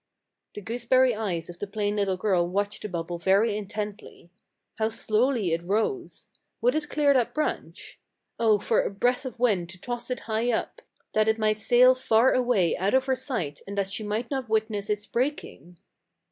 The gooseberry eyes of the plain little girl watched the bubble very intently. How slowly it rose ! Would it clear that branch? Oh, for a breath of wind to toss it high up, that it might sail far away out of her sight and that she might not witness its breaking!